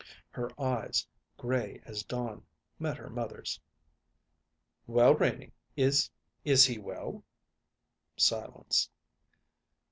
Her eyes, gray as dawn, met her mother's. "Well, Renie, is is he well?" Silence.